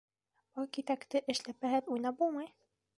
Был киҫәкте эшләпәһеҙ уйнап булмай!